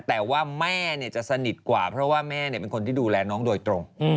แต่ว่าแม่จะสนิทกว่าเพราะว่าแม่เป็นคนที่ดูแลน้องโดยตรง